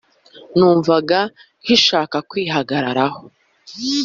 numvaga nkishaka kwihagararaho.